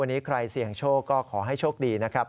วันนี้ใครเสี่ยงโชคก็ขอให้โชคดีนะครับ